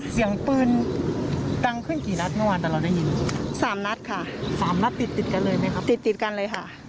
เสียงปืนดังขึ้นกี่นัดเมื่อวานแต่เราได้ยินสามนัดค่ะสามนัดติดติดกันเลยไหมครับติดติดกันเลยค่ะ